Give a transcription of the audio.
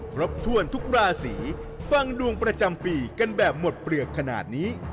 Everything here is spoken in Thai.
ครบถ้วนทุกราศีฟังดวงประจำปีกันแบบหมดเปลือกขนาดนี้